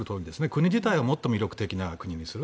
国自体をもっと魅力的にする。